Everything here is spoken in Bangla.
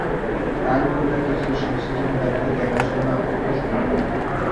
তার উপর দায়িত্ব ছিল সমস্ত জমিদারদের দেখাশুনা ও পরিচালনা করা।